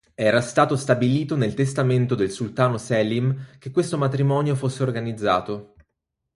Era stato stabilito nel testamento del Sultano Selim che questo matrimonio fosse organizzato.